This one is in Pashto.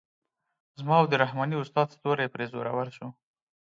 زما او د رحماني استاد ستوری پرې زورور شو.